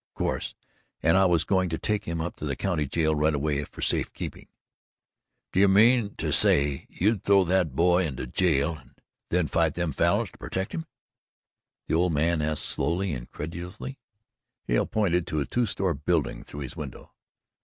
"Of course and I was going to take him up to the county jail right away for safe keeping." "D'ye mean to say you'd throw that boy into jail and then fight them Falins to pertect him?" the old man asked slowly and incredulously. Hale pointed to a two store building through his window.